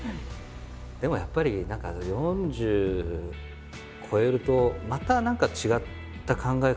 でもやっぱり何か４０超えるとまた何か違った考え方になっていくっていうか。